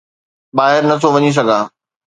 ٻاهر نه ٿو وڃي سگهان